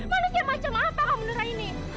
manusia macam apa kamu neraini